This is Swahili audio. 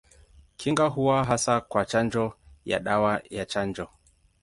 Kinga huwa hasa kwa chanjo ya dawa ya chanjo.